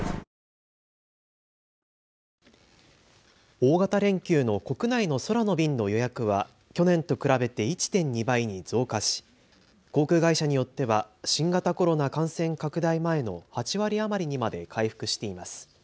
大型連休の国内の空の便の予約は去年と比べて１．２倍に増加し航空会社によっては新型コロナ感染拡大前の８割余りにまで回復しています。